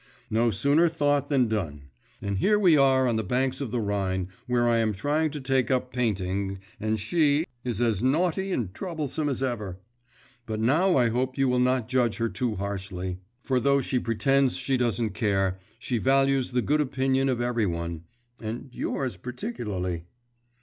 No sooner thought than done; and here we are on the banks of the Rhine, where I am trying to take up painting, and she … is as naughty and troublesome as ever. But now I hope you will not judge her too harshly; for though she pretends she doesn't care, she values the good opinion of every one, and yours particularly.